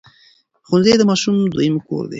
ښوونځي د ماشومانو دویم کور دی.